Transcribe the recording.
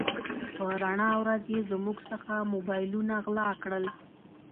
په رڼا ورځ يې زموږ څخه موبایلونه غلا کړل.